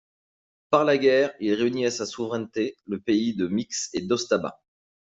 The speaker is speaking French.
Par la guerre, il réunit à sa souveraineté le Pays de Mixe et d'Ostabat.